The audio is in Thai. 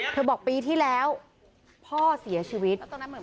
บอกปีที่แล้วพ่อเสียชีวิต